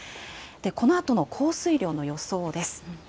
このあとの降水量の予想です。